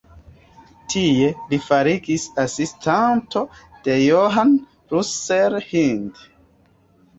Tie li fariĝis asistanto de John Russell Hind.